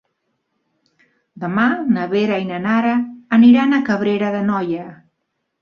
Demà na Vera i na Nara aniran a Cabrera d'Anoia.